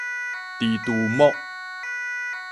蜘蛛膜